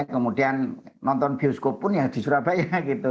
kemudian nonton bioskop pun di surabaya